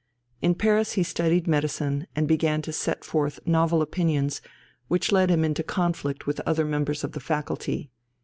In Paris he studied medicine, and began to set forth novel opinions which led him into conflict with other members of the faculty.